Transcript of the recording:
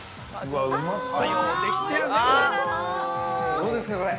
◆どうですか、これ。